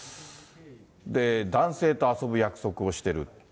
で、男性と遊ぶ約束をしてる。